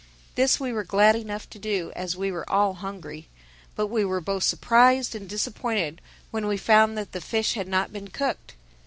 This we were glad enough to do, as we were all hungry. But we were both surprised and disappointed when we found that the fish had not been cooked.